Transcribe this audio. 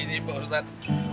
ini pak ustadz